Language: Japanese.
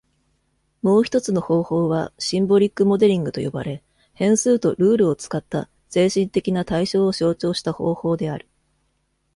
もうひとつの方法は、シンボリック・モデリングと呼ばれ、変数とルールを使った、精神的な対象を象徴した方法である。